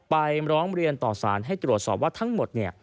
ร้องเรียนต่อสารให้ตรวจสอบว่าทั้งหมดเนี่ย